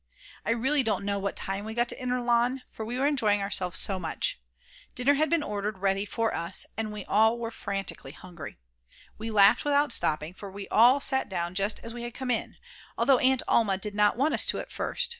I really don't know what time we got to Inner Lahn, for we were enjoying ourselves so much. Dinner had been ordered ready for us, and we were all frantically hungry. We laughed without stopping, for we had all sat down just as we had come in, although Aunt Alma did not want us to at first.